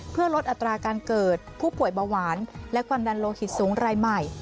เพื่อลดอัตราการเกิดผู้ป่วยเบาหวานและความดันโลหิตสูงรายใหม่